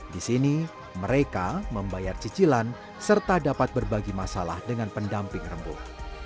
di sini mereka membayar cicilan serta dapat berbagi masalah dengan pendamping rembuk